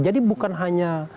jadi bukan hanya